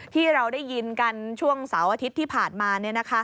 ที่เราได้ยินกันช่วงเสาร์อาทิตย์ที่ผ่านมา